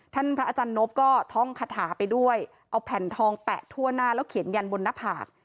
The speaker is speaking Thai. พระอาจารย์นบก็ท่องคาถาไปด้วยเอาแผ่นทองแปะทั่วหน้าแล้วเขียนยันบนหน้าผาก